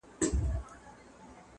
گوندي وي چي ټول کارونه دي پر لار سي-